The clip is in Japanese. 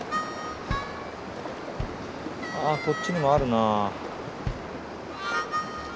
こっちにもあるな。